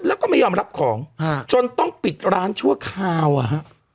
แล้วก็ไม่ยอมรับของฮะจนต้องปิดร้านชั่วคราวอ่ะฮะ